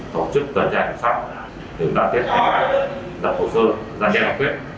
tổ chức các giai đoạn sát để đạt tiết đặt hồ sơ ra đeo đọc phép